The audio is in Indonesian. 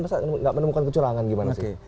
masa nggak menemukan kecurangan gimana sih